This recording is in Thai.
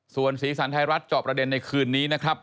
ส่วนสีสันไทยรัฐจอบประเด็นในคืนนี้นะครับ